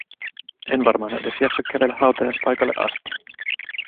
En varmaan edes jaksa kävellä hautajaispaikalle asti.